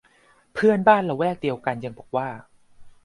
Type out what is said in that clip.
เพื่อนบ้านละแวกเดียวกันยังบอกว่า